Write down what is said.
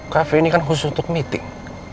kafe ini kan khusus untuk meeting